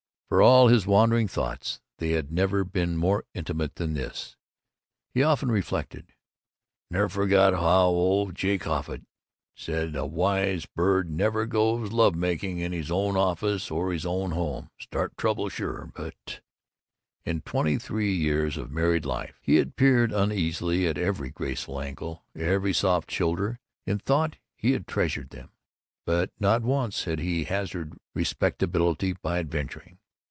For all his wandering thoughts, they had never been more intimate than this. He often reflected, "Nev' forget how old Jake Offutt said a wise bird never goes love making in his own office or his own home. Start trouble. Sure. But " In twenty three years of married life he had peered uneasily at every graceful ankle, every soft shoulder; in thought he had treasured them; but not once had he hazarded respectability by adventuring.